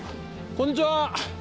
こんにちは。